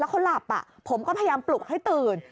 เขาหลับผมก็พยายามปลุกให้ตื่น